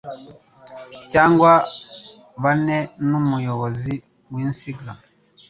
cyangwa bane n'umuyobozi w'insinga